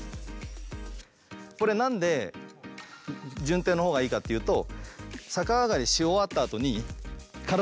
これ何で順手の方がいいかっていうとへえ。